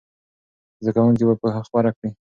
زده کوونکي به پوهه خپره کړي.